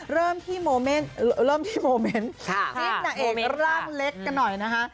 เริ่มที่โมเมนต์จิ้นหน่าเอกร่างเล็กกันหน่อยนะคะ